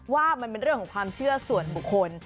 ว่ามันเป็นเรื่องของความเชื่อส่วนบุคคล